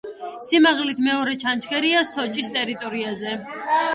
სიმაღლით მეორე ჩანჩქერია სოჭის ტერიტორიაზე.